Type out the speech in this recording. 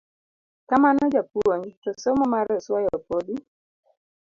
Kamano japuponj, to somo mar oswayo podi….